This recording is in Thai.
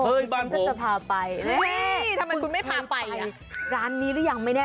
เฮ้ยป้านผมเฮ้ยทำไมคุณไม่พาไปอ่ะร้านนี้รึยังไม่แน่